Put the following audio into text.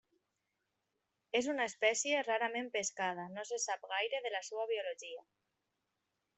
És una espècie rarament pescada, no se sap gaire de la seva biologia.